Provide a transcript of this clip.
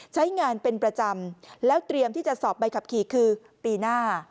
ใช้งานเป็นประจำแล้วเตรียมที่จะสอบใบขับขี่คือปีหน้า